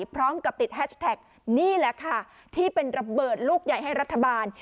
พร้อมกับติดแฮชแท็กนี่แหละค่ะที่เป็นระเบิดลูกใหญ่ให้รัฐบาล